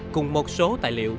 cùng một số tài liệu